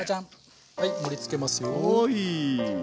はい盛りつけますよ。